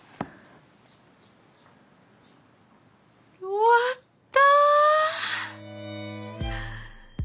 終わった。